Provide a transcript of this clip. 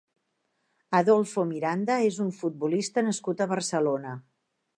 Adolfo Miranda és un futbolista nascut a Barcelona.